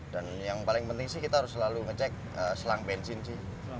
dan yang paling penting sih kita harus selalu ngecek selang bensin sih